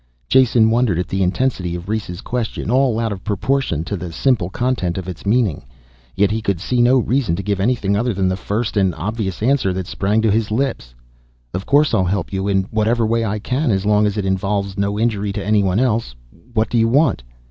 Jason wondered at the intensity of Rhes' question, all out of proportion to the simple content of its meaning. Yet he could see no reason to give anything other than the first and obvious answer that sprang to his lips. "Of course I'll help you, in whatever way I can. As long as it involves no injury to anyone else. What do you want?"